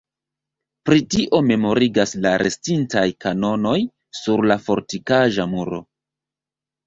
Pri tio memorigas la restintaj kanonoj sur la fortikaĵa muro.